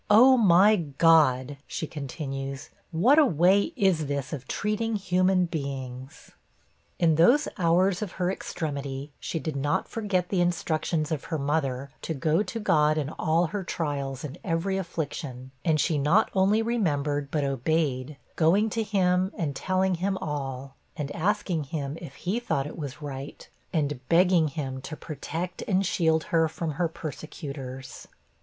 Oh! my God!' she continues, 'what a way is this of treating human beings?' In those hours of her extremity, she did not forget the instructions of her mother, to go to God in all her trials, and every affliction; and she not only remembered, but obeyed: going to him, 'and telling him all and asking Him if He thought it was right,' and begging him to protect and shield her from her persecutors.